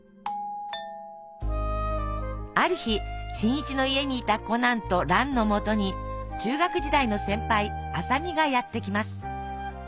ある日新一の家にいたコナンと蘭のもとに中学時代の先輩麻美がやって来ます。